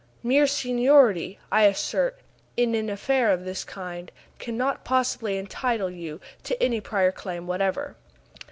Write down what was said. "Mere seniority, I assert, in an affair of this kind, cannot possibly entitle you to any prior claim whatever."